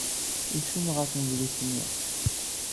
Ikeccem ɣer tnedlist-nni.